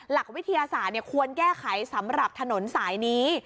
หลักวิทยาศาสตร์ควรแก้ไขสำหรับถนนสายนี้